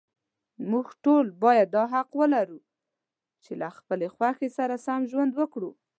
موږ ټول باید دا حق ولرو، چې له خپلې خوښې سره سم ژوند وکړو.